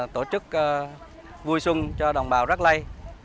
tổ chức vui sung cho đồng bào rắc lây